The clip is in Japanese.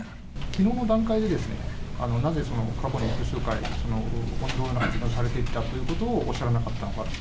きのうの段階で、なぜその過去に複数回、同様の発言をされていたということをおっしゃらなかったのかと。